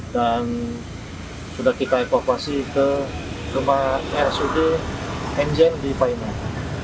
dan sudah kita evakuasi ke rumah rsud enjen di pahimah